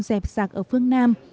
dẹp sạc ở phương nam